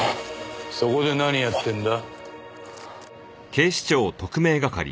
そこで何やってんだ？